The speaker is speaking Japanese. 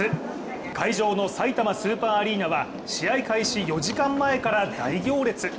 会場のさいたまスーパーアリーナは試合開始４時間前から大行列。